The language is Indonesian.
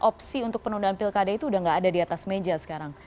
opsi untuk penundaan pilkade itu sudah tidak ada di atas meja sekarang